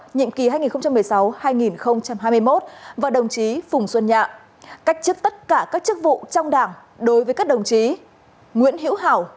nhiệm kỳ hai nghìn một mươi sáu hai nghìn hai mươi một và đồng chí phùng xuân nhạ cách chức tất cả các chức vụ trong đảng đối với các đồng chí nguyễn hữu hảo